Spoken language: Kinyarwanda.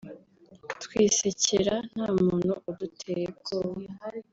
twisekera nta muntu uduteye ubwoba